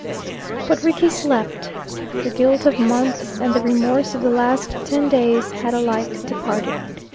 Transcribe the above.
But Rickie slept. The guilt of months and the remorse of the last ten days had alike departed.